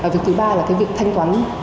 việc thứ ba là việc thanh toán